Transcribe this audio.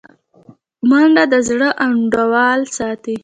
منډه د زړه انډول ساتي